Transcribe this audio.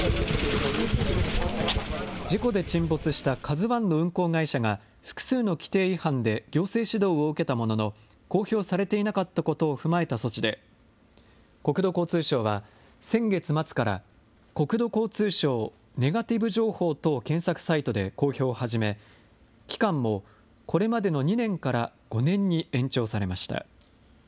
事故で沈没したＫＡＺＵＩの運航会社が、複数の規程違反で行政指導を受けたものの、公表されていなかったことを踏まえた措置で、国土交通省は先月末から、国土交通省ネガティブ情報等検索サイトで公表を始め、期間もこれまでの２年から５年に延長されました。